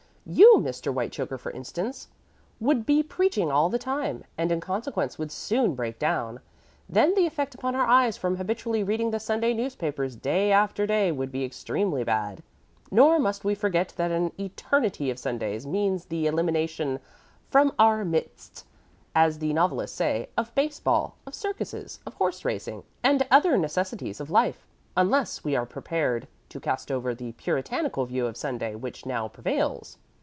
"You, Mr. Whitechoker, for instance, would be preaching all the time, and in consequence would soon break down. Then the effect upon our eyes from habitually reading the Sunday newspapers day after day would be extremely bad; nor must we forget that an eternity of Sundays means the elimination 'from our midst,' as the novelists say, of baseball, of circuses, of horse racing, and other necessities of life, unless we are prepared to cast over the Puritanical view of Sunday which now prevails.